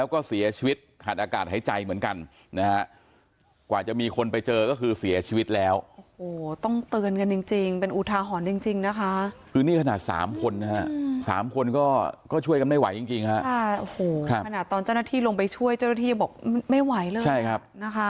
ขณะเจ้าหน้าที่อุปกรณ์พร้อมนะครับ